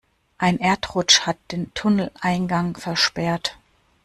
Ein Erdrutsch hat den Tunneleingang versperrt.